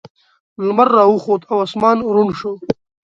لمر راوخوت او اسمان روڼ شو.